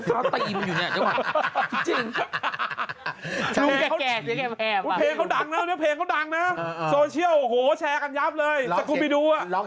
สามหลังมันขายจริง